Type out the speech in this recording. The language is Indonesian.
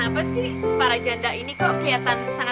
jadi kenapacongan kita kalo pin region komni